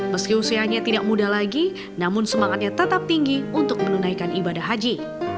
meski usianya tidak muda lagi namun semangatnya tetap tinggi untuk menunaikan ibadah haji